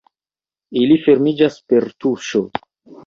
Ili fermiĝas per tuŝo.